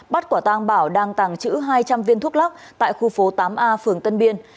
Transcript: bắt quả tang bảo đang tàng trữ hai trăm linh viên thuốc lắc tại khu phố tám a phường tân biên